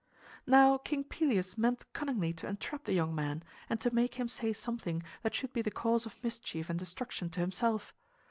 Now King Pelias meant cunningly to entrap the young man and to make him say something that should be the cause of mischief and destruction to himself.